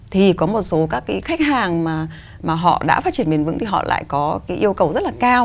thì có một số các cái khách hàng mà họ đã phát triển bền vững thì họ lại có cái yêu cầu rất là cao